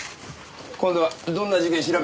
今度はどんな事件調べてるんだ？